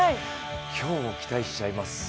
今日も期待しちゃいます。